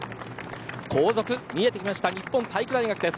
後続が見えてきました日本体育大学です。